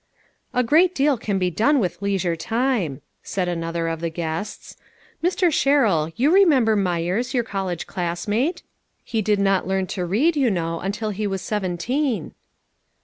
" A great deal can be done with leisure time," said another of the guests. " Mr. Sherrill, you remember Myers, your college classmate ? He did not learn to read, you know, until he was seventeen."